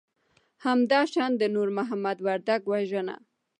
همدا شان د نور محمد وردک وژنه